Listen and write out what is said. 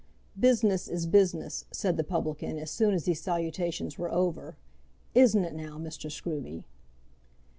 "Business is business," said the publican as soon as these salutations were over; "isn't it now, Mr. Scruby?"